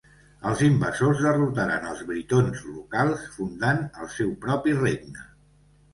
Els invasors derrotaren els britons locals, fundant el seu propi regne.